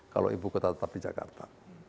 kalau ibu kota tetap di jakarta